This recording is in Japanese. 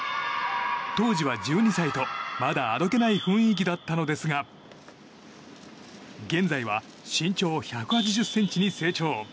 当時は１２歳とまだあどけない雰囲気だったのですが現在は身長１８０ｃｍに成長。